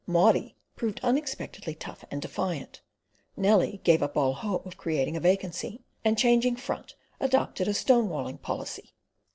Maudie proving unexpectedly tough and defiant, Nellie gave up all hope of creating a vacancy, and changing front, adopted a stone walling policy.